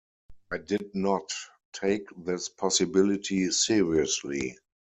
I did not take this possibility seriously...